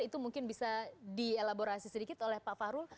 itu mungkin bisa di elaborasi sedikit oleh pak fahrul